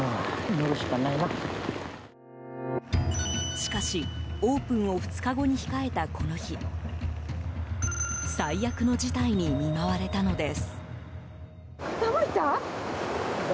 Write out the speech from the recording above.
しかしオープンを２日後に控えたこの日最悪の事態に見舞われたのです。